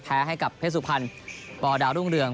แพ้ให้กับเพชรสุพรรณปดาวรุ่งเรือง